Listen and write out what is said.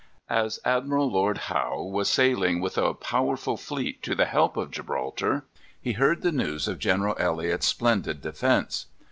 As Admiral Lord Howe was sailing with a powerful fleet to the help of Gibraltar, he heard the news of General Elliot's splendid defence.